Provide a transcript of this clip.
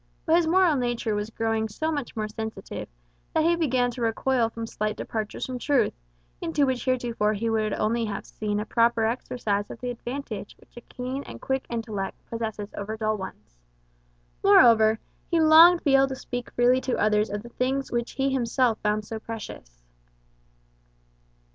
But his moral nature was growing so much more sensitive, that he began to recoil from slight departures from truth, in which heretofore he would only have seen a proper exercise of the advantage which a keen and quick intellect possesses over dull ones. Moreover, he longed to be able to speak freely to others of the things which he himself found so precious.